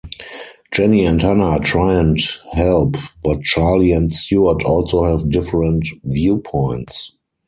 Jenny and Hannah try and help but Charlie and Stuart also have different viewpoints.